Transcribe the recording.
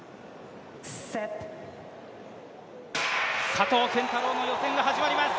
佐藤拳太郎の予選が始まります。